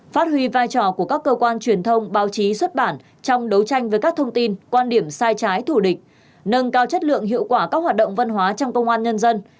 phát huy vai trò của các cơ quan truyền thông báo chí xuất bản trong đấu tranh với các thông tin quan điểm sai trái thủ địch nâng cao chất lượng hiệu quả các hoạt động văn hóa trong công an nhân dân